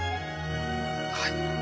はい。